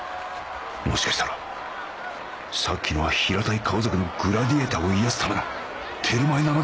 もしかしたらさっきのは平たい顔族のグラディエイターを癒やすためのテルマエなのではないのか？